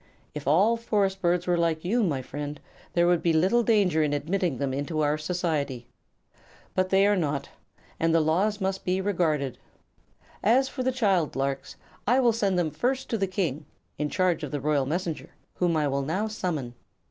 If all forest birds were like you, my friend, there would be little danger in admitting them into our society. But they are not, and the laws must be regarded. As for the child larks, I will send them first to the King, in charge of the Royal Messenger, whom I will now summon."